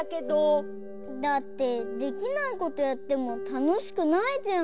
だってできないことやってもたのしくないじゃん。